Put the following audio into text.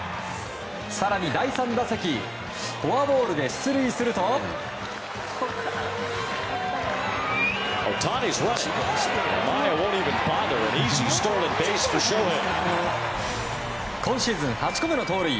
更に、第３打席フォアボールで出塁すると今シーズン８個目の盗塁。